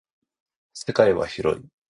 世界は広い。